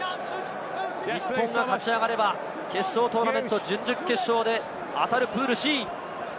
日本が勝ち上がれば、決勝トーナメント、準々決勝で当たるプールＣ。